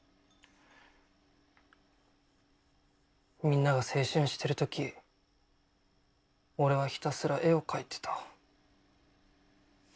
みんなが青春してるとき俺はひたすら絵を描いてた。